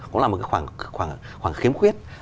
cũng là một khoảng khiếm khuyết